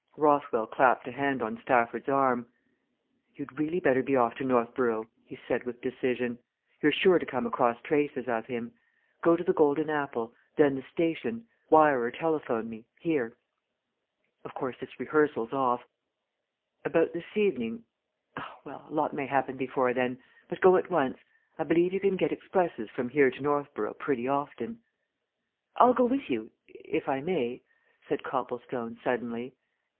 Rothwell clapped a hand on Stafford's arm. "You'd really better be off to Northborough," he said with decision. "You're sure to come across traces of him. Go to the 'Golden Apple' then the station. Wire or telephone me here. Of course, this rehearsal's off. About this evening oh, well, a lot may happen before then. But go at once I believe you can get expresses from here to Northborough pretty often." "I'll go with you if I may," said Copplestone suddenly.